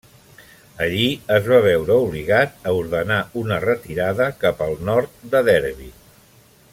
Allí es va veure obligat a ordenar una retirada cap al nord de Derby.